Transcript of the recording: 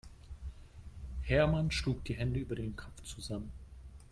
Hermann schlug die Hände über dem Kopf zusammen.